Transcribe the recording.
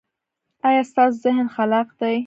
ایا ستاسو ذهن خلاق دی؟